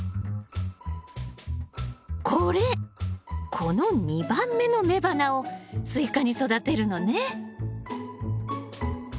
この２番目の雌花をスイカに育てるのね。